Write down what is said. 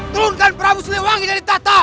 turunkan perang musliwangi dari tata